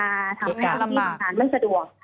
เหตุการณ์ลำบากทำให้ทุกทิศจำส่วนขาดไม่สะดวก